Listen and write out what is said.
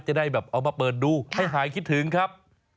จะได้แบบเอามาเปิดดูให้หายคิดถึงครับ